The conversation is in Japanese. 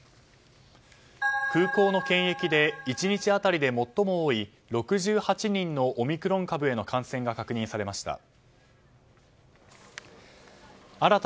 空港の検疫で１日当たりで最も多い６８人のオミクロン株への感染が確認されました。